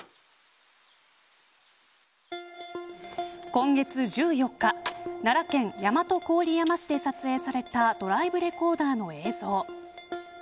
今月１４日奈良県、大和郡山市で撮影されたドライブレコーダーの映像。